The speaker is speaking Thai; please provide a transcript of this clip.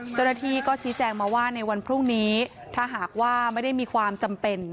เจ้าหน้าที่ก็ชี้แจงมาว่าในวันพรุ่งนี้ถ้าหากว่าไม่ได้มีความจำเป็น